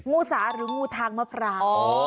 งูสาหรืองูทางมะพร้าว